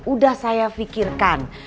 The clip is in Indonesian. udah saya fikirkan